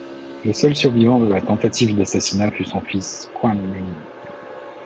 Le seul survivant de la tentative d'assassinat fut son fils, Kwang Ming.